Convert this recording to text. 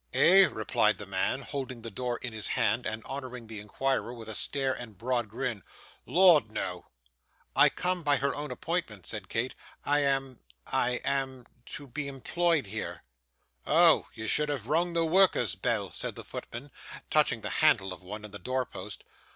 'Eh?' replied the man, holding the door in his hand, and honouring the inquirer with a stare and a broad grin, 'Lord, no.' 'I came by her own appointment,' said Kate; 'I am I am to be employed here.' 'Oh! you should have rung the worker's bell,' said the footman, touching the handle of one in the door post.